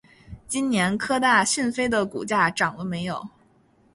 今年科大讯飞的股价涨了没有？